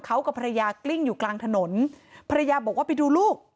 เขากับภรรยากลิ้งอยู่กลางถนนภรรยาบอกว่าไปดูลูก